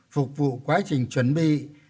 phục vụ quá trình chuẩn bị và tiến hành đạt được